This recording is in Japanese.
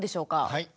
はい。